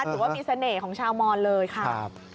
ถือว่ามีเสน่ห์ของชาวมอนเลยค่ะ